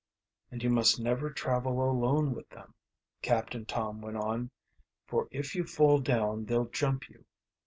"And you must never travel alone with them," Captain Tom went on. "For if you fall down they'll jump you.